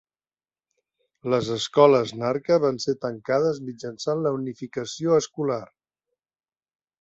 Les escoles Narka van ser tancades mitjançant la unificació escolar.